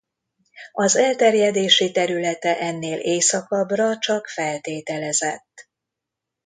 Az elterjedési területe ennél északabbra csak feltételezett.